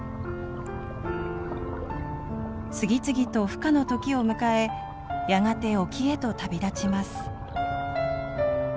次々とふ化の時を迎えやがて沖へと旅立ちます。